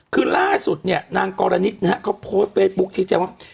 คือล่าสุดเนี่ยนางกรณิตนะฮะเขาโพสต์เฟซบุ๊คชี้แจงว่า